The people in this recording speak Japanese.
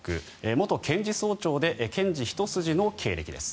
元検事総長で検事ひと筋の経歴です。